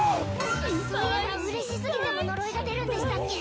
そういえば嬉しすぎても呪いが出るんでしたっけ